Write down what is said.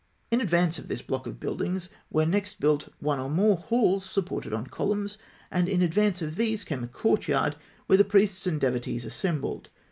In advance of this block of buildings were next built one or more halls supported on columns; and in advance of these came a courtyard, where the priests and devotees assembled.